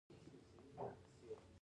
چین په نړیواله سوداګرۍ کې مهم دی.